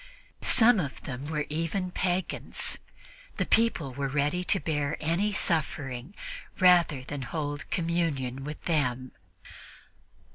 Some of them were even pagans; the people were ready to bear any suffering rather than hold communion with them.